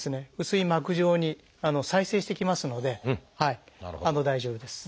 薄い膜状に再生してきますので大丈夫です。